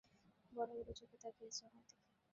বড়-বড় চোখে তাকিয়ে আছে আমার দিকে।